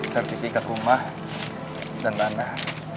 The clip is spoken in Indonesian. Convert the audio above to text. sertifikat rumah dan tanah